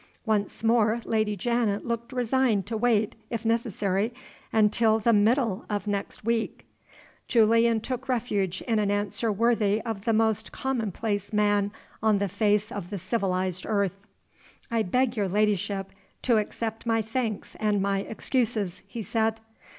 Once more Lady Janet looked resigned to wait (if necessary) until the middle of next week. Julian took refuge in an answer worthy of the most commonplace man on the face of the civilized earth. "I beg your ladyship to accept my thanks and my excuses," he said.